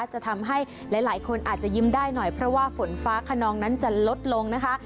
จะทำให้หลายคนอาจจะยิ้มได้หน่อยเพราะว่าฝนฟ้าขนองนั้นจะลดลงนะคะ